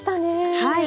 はい。